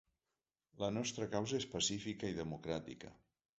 La nostra causa és pacífica i democràtica.